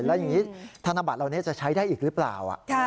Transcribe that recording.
แล้วอย่างนี้ธนบัตรเหล่านี้จะใช้ได้อีกหรือเปล่า